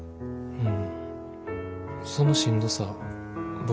うん。